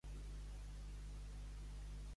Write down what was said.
Quant de temps porta Batman lluitant contra el crim?